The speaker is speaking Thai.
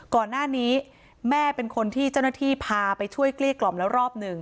ก่อนหน้านี้แม่เป็นคนที่เจ้าหน้าที่พาไปช่วยเกลี้ยกล่อมแล้วรอบหนึ่ง